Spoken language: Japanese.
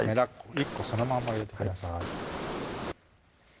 １個そのまんま入れてください